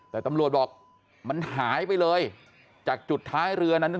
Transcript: แต่ตำรวจบอกมันหายไปเลยจากจุดท้ายเรือนั้น